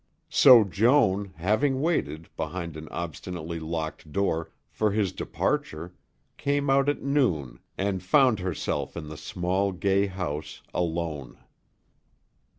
So Joan, having waited, behind an obstinately locked door, for his departure, came out at noon and found herself in the small, gay house alone.